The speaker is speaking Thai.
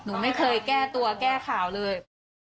หนูไม่เคยแก้ตัวแก้ข่าวเลย